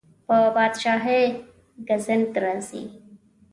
په پادشاهۍ ګزند راځي.